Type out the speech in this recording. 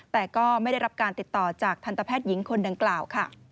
แต่ก็ไม่ได้รับการติดต่อจากทันตแพทย์หญิงคนดังกล่าวค่ะ